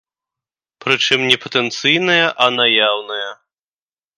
Прычым не патэнцыйная, а наяўная.